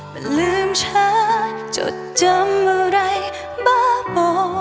มันลืมช้าจดจำอะไรบ้าบ่อ